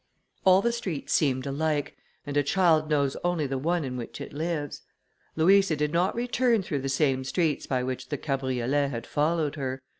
All the streets seemed alike, and a child knows only the one in which it lives. Louisa did not return through the same streets by which the cabriolet had followed her.